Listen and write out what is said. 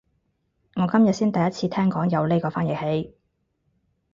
我今日先第一次聽講有呢個翻譯器